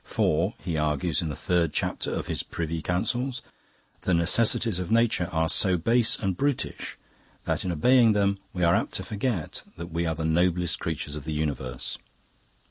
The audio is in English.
For, he argues in the third chapter of his 'Priuy Counsels', the necessities of nature are so base and brutish that in obeying them we are apt to forget that we are the noblest creatures of the universe.